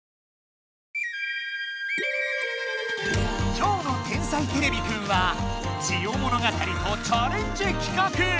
きょうの「天才てれびくん」は「ジオ物語」とチャレンジ企画！